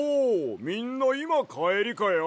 みんないまかえりかや？